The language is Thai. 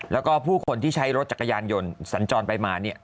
แล้วก็ผู้คนที่ใช้รถจักรยานยนต์สัญจรไปมาเนี่ย